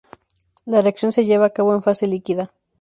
La reacción se lleva a cabo en fase líquida.